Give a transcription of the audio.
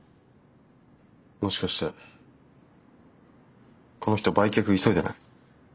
もしかしてこの人売却急いでない？